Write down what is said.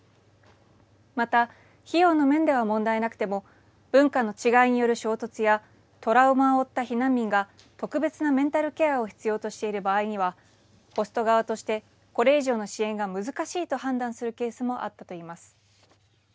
また費用の面では問題なくても文化の違いによる衝突やトラウマを負った避難民が特別なメンタルケアを必要としている場合にはホスト側としてこれ以上の支援が難しいと判断するケースもあったと言います。